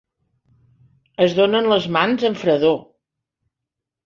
Es donen les mans amb fredor.